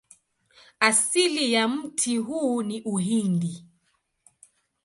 Asili ya mti huu ni Uhindi.